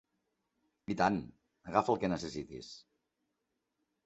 I tant, agafa el que necessitis.